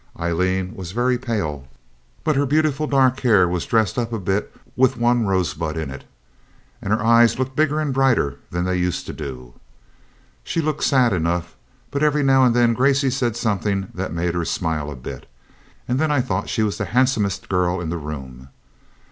Aileen was very pale, but her beautiful dark hair was dressed up a bit with one rosebud in it, and her eyes looked bigger and brighter than they used to do. She looked sad enough, but every now and then Gracey said something that made her smile a bit, and then I thought she was the handsomest girl in the room.